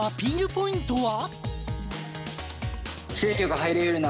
ポイントは？